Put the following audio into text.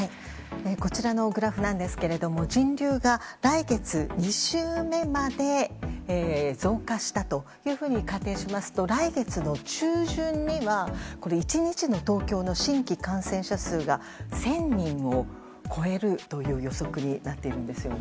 こちらのグラフですが人流が来月２週目まで増加したというふうに仮定しますと来月の中旬には１日の東京の新規感染者数が１０００人を超えるという予測になっているんです。